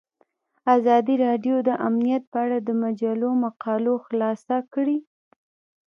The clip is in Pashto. ازادي راډیو د امنیت په اړه د مجلو مقالو خلاصه کړې.